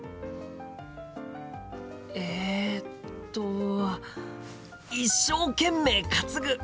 えっと一生懸命担ぐ！